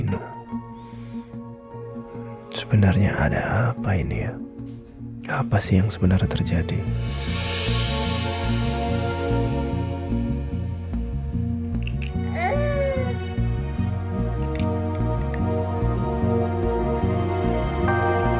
untuk apa bunuh anak itu funingnya sama phenomena tersebut